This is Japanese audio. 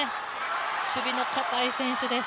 守備の硬い選手です。